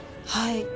はい。